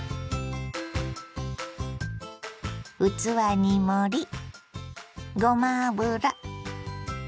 器に盛りごま油。